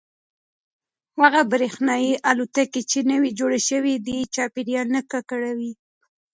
هغه برېښنايي الوتکې چې نوې جوړې شوي دي چاپیریال نه ککړوي.